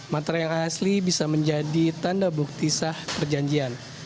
materi yang asli bisa menjadi tanda bukti sah perjanjian